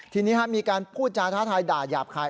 ทีนี้มีการพูดจาท้าทายด่าหยาบคาย